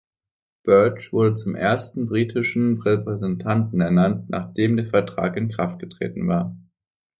Birch wurde zum ersten britischen Repräsentanten ernannt, nachdem der Vertrag in Kraft getreten war.